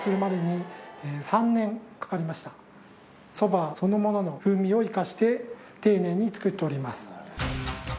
蕎麦そのものの風味を生かして丁寧に作っております。